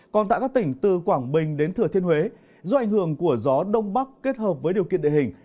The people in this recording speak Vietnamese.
còn tại các tỉnh từ quảng bình đến thừa thiên huế do ảnh hưởng của gió đông bắc kết hợp với điều kiện địa hình